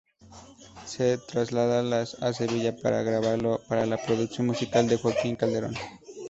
Se traslada a Sevilla para grabarlo bajo la producción musical de Joaquín Calderón.